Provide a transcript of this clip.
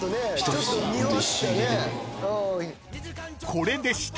［これでした］